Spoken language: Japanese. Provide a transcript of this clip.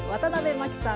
麻紀さん